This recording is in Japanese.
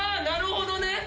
なるほどね